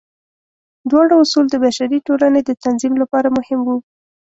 دواړه اصول د بشري ټولنې د تنظیم لپاره مهم وو.